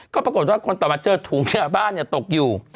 ก็ปรากฏว่าคนต่อมาเจอถุงบ้านตกอยู่